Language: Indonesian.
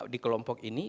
di kelompok ini